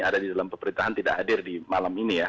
ada di dalam pemerintahan tidak hadir di malam ini ya